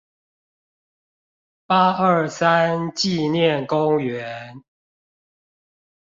八二三紀念公園